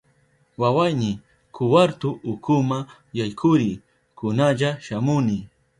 Wawayni, kwartu ukuma yaykuriy, kunalla shamuni.